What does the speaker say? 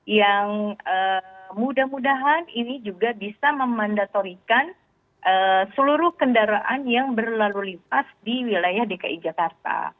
yang mudah mudahan ini juga bisa memandatorikan seluruh kendaraan yang berlalu lintas di wilayah dki jakarta